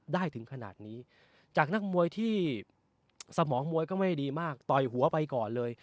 ถึงขนาดนี้จากนักมวยที่สมองมวยก็ไม่ได้ดีมากต่อยหัวไปก่อนเลย